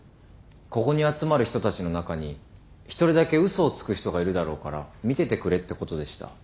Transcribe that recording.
ここに集まる人たちの中に１人だけ嘘をつく人がいるだろうから見ててくれってことでした。